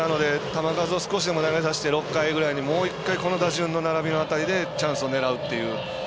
球数を少しでも投げさせて６回ぐらいにもう１回、この打順の辺りでチャンスを狙うっていう。